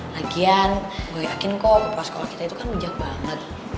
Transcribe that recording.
lagian gue yakin kok luka sekolah kita itu kan meja banget